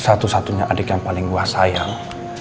satu satunya adik yang paling luas sayang